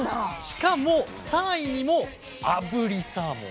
しかも３位にも炙りサーモン。